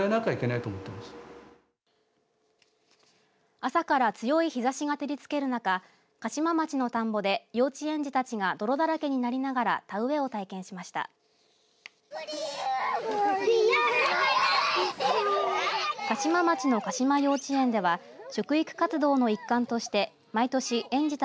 朝から強い日ざしが照りつける中嘉島町の田んぼで幼稚園児たちが泥だらけになりながら田植えを体験しました。